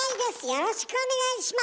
よろしくお願いします。